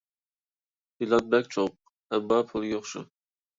پىلان بەك چوڭ، ئەمما پۇل يوق شۇ.